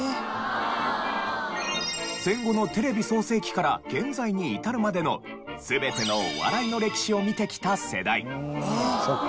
戦後のテレビ創成期から現在に至るまでの全てのお笑いの歴史を見てきた世代。